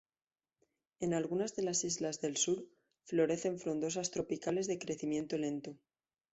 En algunas de las islas del sur, florecen frondosas tropicales de crecimiento lento.